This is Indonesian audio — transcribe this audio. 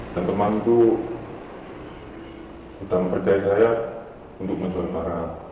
dan teman itu sudah mempercayai saya untuk menjual barang